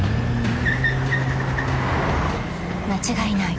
［間違いない。